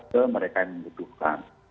ke mereka yang membutuhkan